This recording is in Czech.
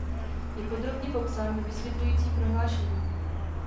Je podrobně popsán ve vysvětlujícím prohlášení.